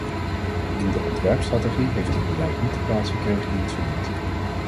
In de ontwerpstrategie heeft dit beleid niet de plaats gekregen die het verdient.